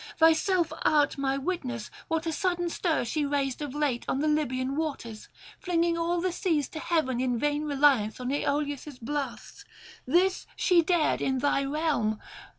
Thyself art my witness what a sudden stir she raised of late on the Libyan waters, flinging all the seas to heaven in vain reliance on Aeolus' blasts; this she dared in thy realm.